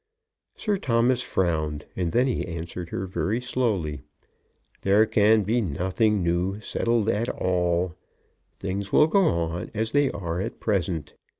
Sir Thomas frowned, and then he answered her very slowly. "There can be nothing new settled at all. Things will go on as they are at present.